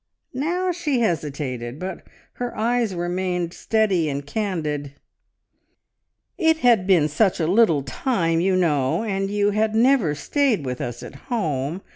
Now she hesitated, but her eyes remained steady and candid. "It had been such a little time, you know; and you had never stayed with us at home.